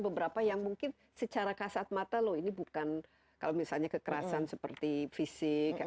beberapa yang mungkin secara kasat mata loh ini bukan kalau misalnya kekerasan seperti fisik